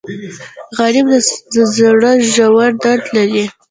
غریب د زړه ژور درد لري